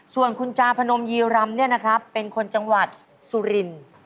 ส่วนคุณจาพนมยีรำเป็นคนจังหวัดสุรินทร์